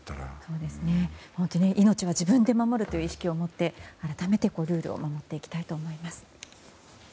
本当に命は自分で守るという意識を持って改めてルールを守っていきたいと思います。